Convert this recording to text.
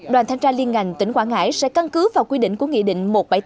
đoàn thanh tra liên ngành tỉnh quảng ngãi sẽ căn cứ vào quy định của nghị định một trăm bảy mươi tám